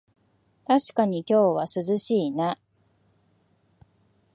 たしかに今日は涼しいな